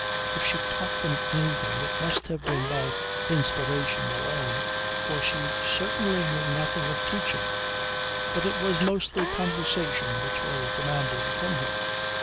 If she taught them anything it must have been by inspiration alone, for she certainly knew nothing of teaching. But it was mostly "conversation" which was demanded from her.